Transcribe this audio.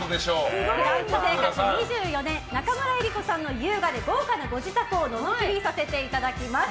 フランス生活２４年中村江里子さんの優雅で豪華なご自宅をのぞき見させていただきます。